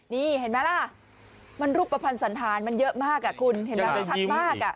นี่เห็นไหมล่ะมันรูปภัณฑ์สันธารมันเยอะมากคุณเห็นไหมมันชัดมาก